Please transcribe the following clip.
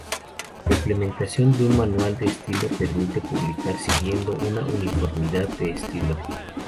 La implementación de un manual de estilo permite publicar siguiendo una uniformidad de estilo.